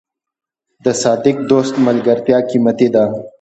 د صادق دوست ملګرتیا قیمتي ده.